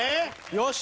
よし！